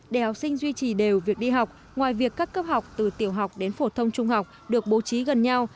để học sinh duy trì đều việc đi học ngoài việc các cấp học từ tiểu học đến phổ thông trung học được bố trí gần nhau